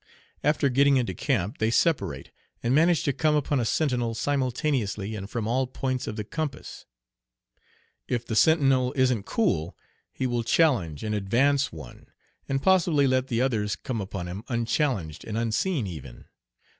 After getting into camp they separate, and manage to come upon a sentinel simultaneously and from all points of the compass. If the sentinel isn't cool, he will challenge and Advance one, and possibly let the others come upon him unchallenged and unseen even.